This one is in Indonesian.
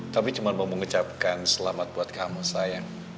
tapi cuma mau mengucapkan selamat buat kamu sayang